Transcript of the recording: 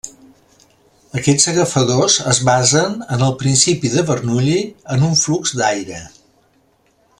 Aquests agafadors es basen en el principi de Bernoulli en un flux d'aire.